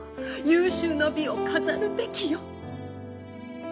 有終の美を飾るべきよ。